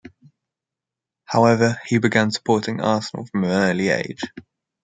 However, he began supporting Arsenal from an early age.